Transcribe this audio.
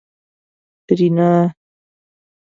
رینا